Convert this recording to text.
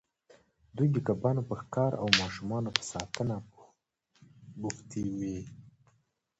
دوی د کبانو په ښکار او ماشومانو په ساتنه بوختې وې.